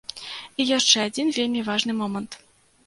І яшчэ адзін вельмі важны момант.